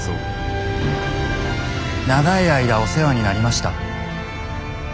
「長い間お世話になりました。